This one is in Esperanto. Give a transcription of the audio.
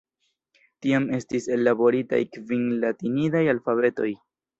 Tiam estis ellaboritaj kvin latinidaj alfabetoj.